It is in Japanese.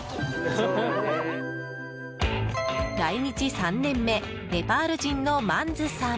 来日３年目ネパール人のマンズさん。